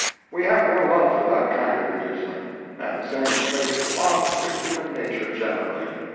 We have no love for that kind of amusement—and the same trait belongs to human nature generally.